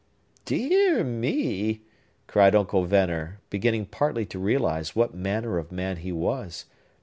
"Dear me!" cried Uncle Venner, beginning partly to realize what manner of man he was.